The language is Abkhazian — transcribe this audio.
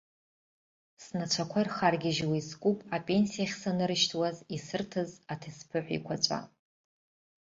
Снацәақәа ирхаргьежьуа искуп апенсиахь санырышьҭуаз исырҭаз аҭесԥыхә еиқәаҵәа.